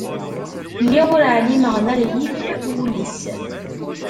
Lliɣ ur ɛlimeɣ ma rhif wul-is.